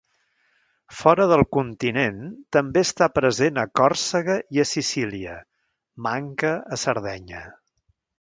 Fora del continent, també està present a Còrsega i a Sicília, manca a Sardenya.